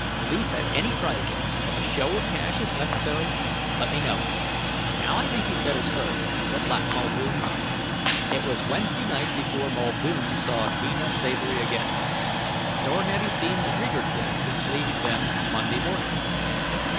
Lease at any price. If a show of cash is necessary, let me know. Now I think you'd better start. Good luck, Muldoon." It was Wednesday night before Muldoon saw Deena Savory again. Nor had he seen the Reeger twins since leaving them Monday morning.